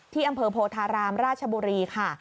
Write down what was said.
อำเภอโพธารามราชบุรีค่ะ